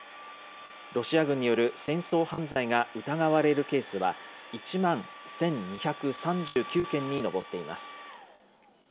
ロシア軍による戦争犯罪が疑われるケースは、１万１２３９件に上っています。